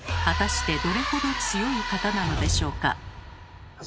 果たしてどれほど強い方なのでしょうか。